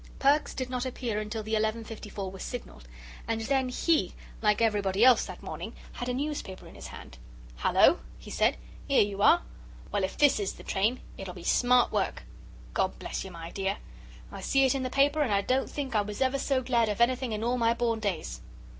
Perks did not appear until the 11.54 was signalled, and then he, like everybody else that morning, had a newspaper in his hand. "Hullo!" he said, "'ere you are. Well, if THIS is the train, it'll be smart work! Well, God bless you, my dear! I see it in the paper, and I don't think I was ever so glad of anything in all my born days!"